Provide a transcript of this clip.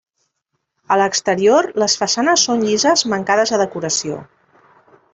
A l'exterior, les façanes són llises, mancades de decoració.